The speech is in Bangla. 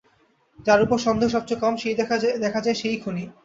যার ওপর সন্দেহ সবচেয়ে কম হয়-দেখা যায় সে-ই খুনী।